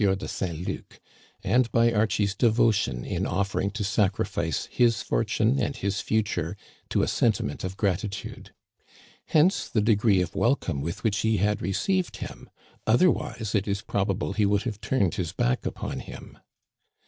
de Saint Luc, and by Archie's devotion in offering to sacrifice his fortune and his future to a senti ment of gratitude. Hence the degree of welcome with which he had received him. Otherwise, it is probable he would have turned his back upon him.